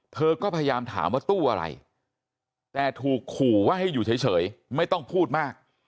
เธอก็พยายามถามว่าตู้อะไรแต่ถูกขู่ว่าให้อยู่เฉยไม่ต้องพูดมาก